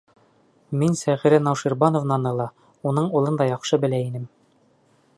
Мин Сәғирә Науширбанованы ла, уның улын да яҡшы белә инем.